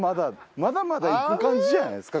まだまだ行く感じじゃないですか？